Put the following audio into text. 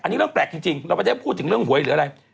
อันนี้เรื่องแปลกจริงเราไม่ได้พูดถึงเรื่องหวยหรืออะไร